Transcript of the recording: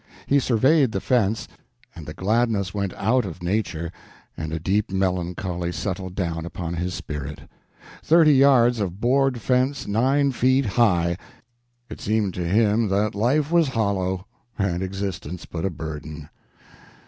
He surveyed the fence, and the gladness went out of nature, and a deep melancholy settled down upon his spirit. Thirty yards of board fence nine feet high! It seemed to him that life was hollow, and existence but a burden.